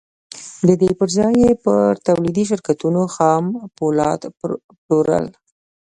د دې پر ځای یې پر تولیدي شرکتونو خام پولاد پلورل